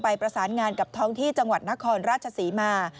ประสานงานกับท้องที่จังหวัดนครราชศรีมา